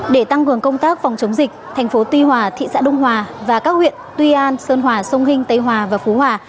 để tăng cường công tác phòng chống dịch thành phố tuy hòa thị xã đông hòa và các huyện tuy an sơn hòa sông hinh tây hòa và phú hòa